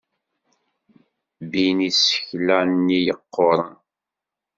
Bbin isekla-nni yeqquren.